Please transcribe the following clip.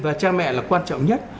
và cha mẹ là quan trọng nhất